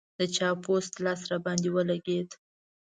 د چا پوست لاس راباندې ولګېد.